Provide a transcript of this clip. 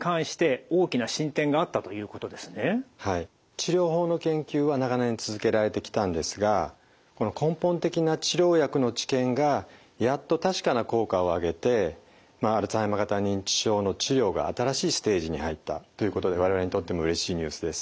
治療法の研究は長年続けられてきたんですがこの根本的な治療薬の治験がやっと確かな効果を上げてアルツハイマー型認知症の治療が新しいステージに入ったということで我々にとってもうれしいニュースです。